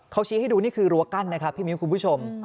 เขาชี้ให้ดูนี่คือรั้วกั้นนะครับพี่มิ้วคุณผู้ชม